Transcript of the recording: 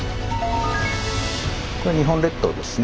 これ日本列島ですね。